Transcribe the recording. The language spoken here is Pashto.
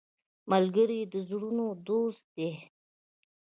ملګری د زړونو دوست دی